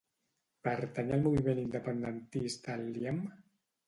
Pertany al moviment independentista el Liam?